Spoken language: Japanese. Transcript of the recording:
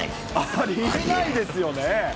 ありえないですよね。